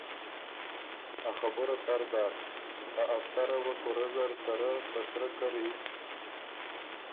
ا خبُره تر داک۔ ا افسره وه کُورۀ زر ته رۀ ته سِرۀ کری